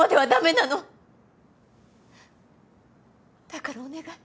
だからお願い。